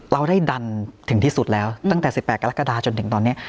เราได้ดันถึงที่สุดแล้วตั้งแต่๑๘กรกฎาจนถึงตอนนี้